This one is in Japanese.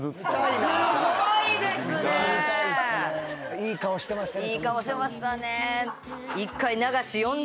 いい顔してましたね。